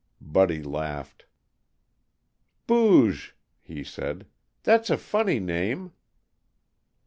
Buddy laughed. "Booge," he said. "That's a funny name."